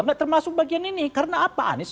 nggak termasuk bagian ini karena apa anies